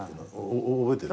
覚えてる？